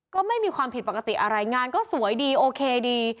ก็ไม่มีความผิดปกติอะไรงานก็สวยดีโอเคดี